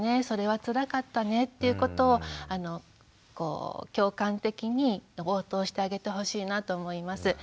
それはつらかったねっていうことを共感的に応答してあげてほしいなと思います。